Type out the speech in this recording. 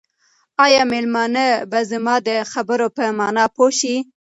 آیا مېلمانه به زما د خبرو په مانا پوه شي؟